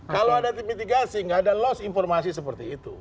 kalau ada mitigasi nggak ada loss informasi seperti itu